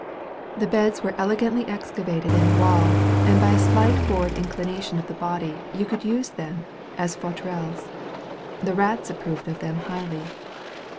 The beds were elegantly excavated in the wall, and by a slight forward inclination of the body you could use them as faiUeuils. The rats approved of them highly.